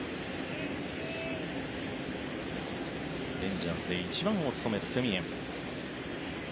レンジャーズで１番を務めるセミエン。